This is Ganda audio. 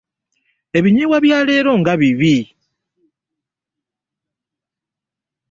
Ebinyeebwa bya leero nga bibi!